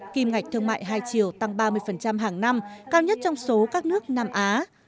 kim ngạch thương mại hai triệu tăng ba mươi hàng năm cao nhất trong số các nước nam á